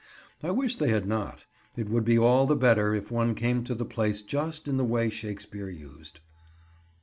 I wish they had not: it would be all the better if one came to the place just in the way Shakespeare used.